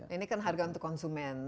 ini kan harga untuk konsumen